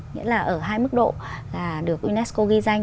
nghĩa là ở hai mức độ là được unesco ghi danh